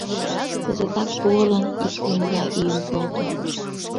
— Кызытак поварлан ик кремга ӱйым колто.